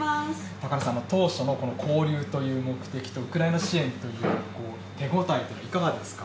ＴＡＫＡＮＥさん、当初の交流という目的とウクライナ支援という手応えというのはいかがですか。